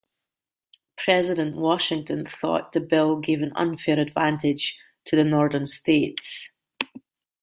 President Washington thought the bill gave an unfair advantage to the northern states.